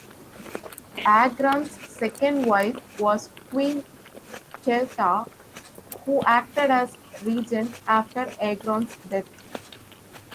Agron's second wife was Queen Teuta, who acted as regent after Agron's death.